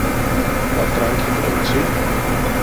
Wat drankje drinkt sy?